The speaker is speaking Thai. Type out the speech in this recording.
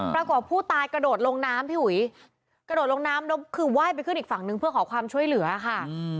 ปรากฏผู้ตายกระโดดลงน้ำพี่อุ๋ยกระโดดลงน้ำแล้วคือไหว้ไปขึ้นอีกฝั่งนึงเพื่อขอความช่วยเหลือค่ะ